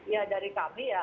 ya dari kami ya